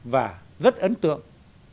và rất ấn tượng